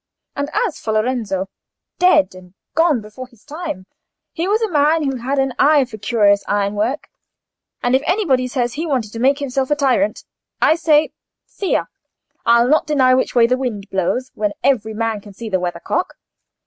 And as for Lorenzo—dead and gone before his time—he was a man who had an eye for curious iron work; and if anybody says he wanted to make himself a tyrant, I say, 'Sia; I'll not deny which way the wind blows when every man can see the weathercock.